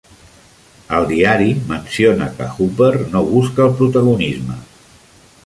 El diari menciona que Hooper no busca el protagonisme.